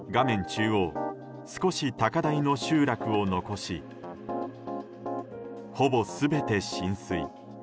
中央、少し高台の集落を残しほぼ全て浸水。